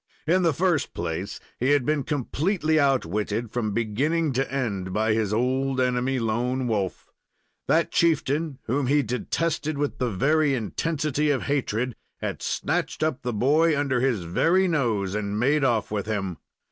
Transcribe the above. In the first place, he had been completely outwitted from beginning to end by his old enemy, Lone Wolf. That chieftain, whom he detested with the very intensity of hatred, had snatched up the boy under his very nose, and made off with him.